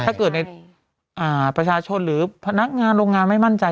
ถ้าเกิดในประชาชนหรือพนักงานโรงงานไม่มั่นใจ